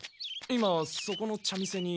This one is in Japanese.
今そこの茶店に。